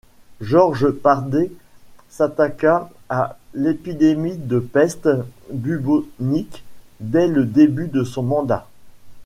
George Pardee s'attaqua à l'épidémie de peste bubonique dès le début de son mandat.